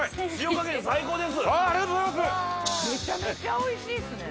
めちゃめちゃおいしいっすね